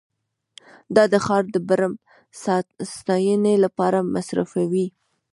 دا د ښار د برم د ستاینې لپاره مصرفوي